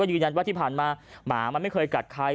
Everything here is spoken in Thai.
ยืนยันว่าที่ผ่านมาหมามันไม่เคยกัดใคร